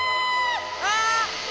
ああ！